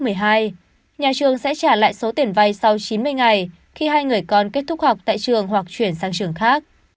nhà trường sẽ trả lại số tiền vay sau chín mươi ngày khi hai người con kết thúc học tại trường hoặc chuyển sang trường khác